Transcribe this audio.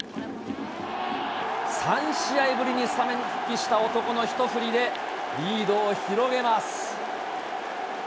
３試合ぶりにスタメン復帰した男の一振りで、リードを広げます。